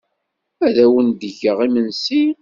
Ad awen-d-geɣ imensi?